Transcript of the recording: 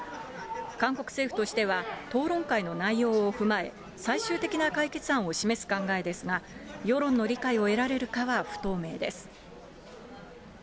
韓国政府としては、討論会の内容を踏まえ、最終的な解決案を示す考えですが、世論の理解を得られるかは不透明です。